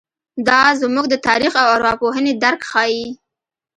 دا زموږ د تاریخ او ارواپوهنې درک ښيي.